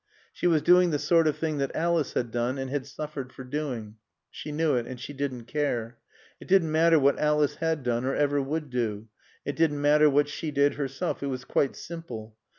She was doing the sort of thing that Alice had done, and had suffered for doing. She knew it and she didn't care. It didn't matter what Alice had done or ever would do. It didn't matter what she did herself. It was quite simple.